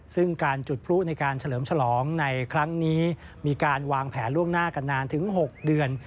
ซึ่งการจุดพลุในการเฉลิมฉลองในครั้งนี้มีการวางแผนล่วงหน้ากันนานถึง๖เดือน